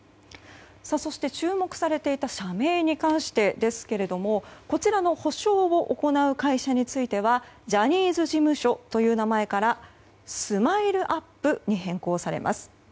そして、注目されていた社名に関してですがこちらの補償を行う会社についてはジャニーズ事務所という名前からＳＭＩＬＥ‐ＵＰ．に変更されます。